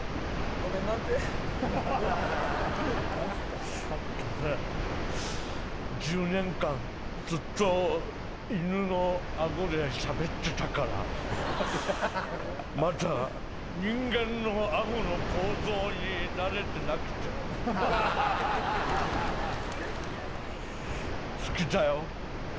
ごめん１０年間ずっと犬のアゴでしゃべってたからまだ人間のアゴの構造に慣れてなくて好きだよ